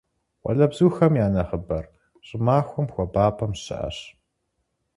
Къуалэбзухэм я нэхъыбэр щӀымахуэм хуабапӀэм щыӀэщ.